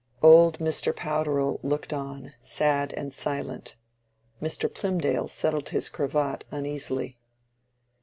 Old Mr. Powderell looked on, sad and silent. Mr. Plymdale settled his cravat, uneasily.